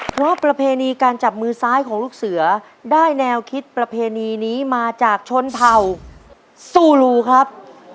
เพราะประเพณีการจับมือซ้ายของลูกเสือได้แนวคิดประเพณีนี้มาจากชนเผ่าซูลูครับ